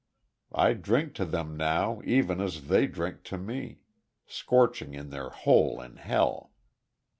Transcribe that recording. I drink to them, now, even as they drink to me scorching in their hole in hell!"